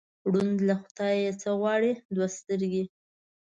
ړوند له خدایه څه غوښتل؟ دوه سترګې.